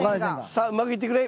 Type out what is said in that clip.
さあうまくいってくれ。